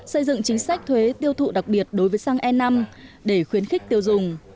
xây dựng chính sách thuế tiêu thụ đặc biệt đối với xăng e năm để khuyến khích tiêu dùng